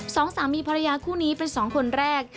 สองสามีภรรยาคู่นี้เป็นสองคนแรก